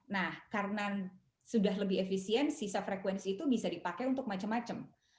nah karena sudah lebih efisien sisa frekuensi itu bisa dipakai untuk macam macam